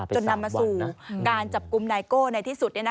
จนนำมาสู่การจับกลุ่มไนโก้ในที่สุด